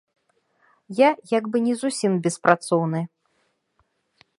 Я як бы не зусім беспрацоўны.